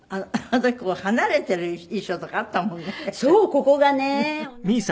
ここがね